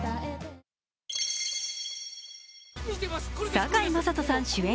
堺雅人さん主演